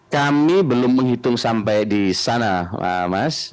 kami belum menghitung sampai di sana mas